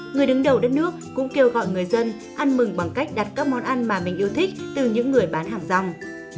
người đứng đầu đất nước cũng kêu gọi người dân ăn mừng bằng cách đặt các món ăn mà mình yêu thích từ những người bán hàng rong